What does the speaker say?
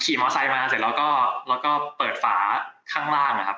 อ๋อขี่มอสไซค์มาเสร็จแล้วก็แล้วก็เปิดฝาข้างล่างนะครับ